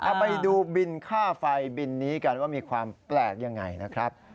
เอาไปดูบินค่าไฟบินนี้กันว่ามีความแปลกยังไงนะครับ